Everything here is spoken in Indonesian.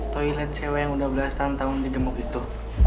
toilet sewa yang udah belasan tahun di gemuk itu